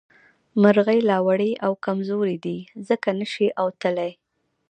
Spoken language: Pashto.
مرغۍ لا وړې او کمزورې دي ځکه نه شي اوتلې